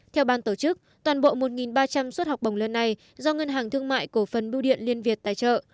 theo ban tổ chức toàn bộ một ba trăm linh suất học bổng lần này do ngân hàng thương mại cổ phần bưu điện liên việt tài trợ